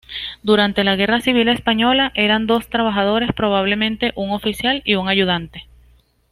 Durante la Guerra Civil española eran dos trabajadores, probablemente un oficial y un ayudante.